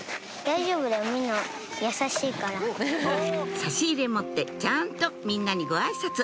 差し入れ持ってちゃんとみんなにごあいさつ